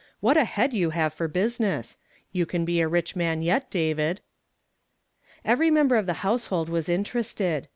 What a head you have for busi ness ! You can be a rich man yet, David." Every meml)er of the household was interested.